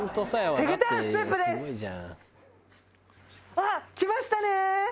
あっ来ましたね！